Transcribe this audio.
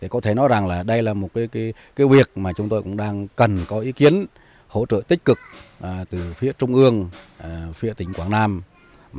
có thể nói rằng là đây là một việc mà chúng tôi cũng đang cần có ý kiến hỗ trợ tích cực từ phía trung ương phía tỉnh quảng nam